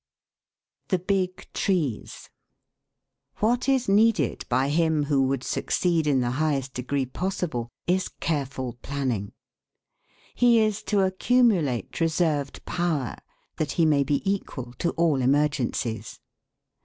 THE BIG TREES. What is needed by him who would succeed in the highest degree possible is careful planning. He is to accumulate reserved power, that he may be equal to all emergencies.